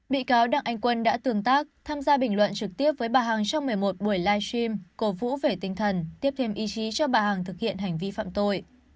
bị cáo đặng anh quân đã tương tác tham gia bình luận trực tiếp với bà hằng trong một mươi một buổi live stream cổ vũ về tinh thần tiếp thêm ý chí cho bà hằng thực hiện hành vi phạm tội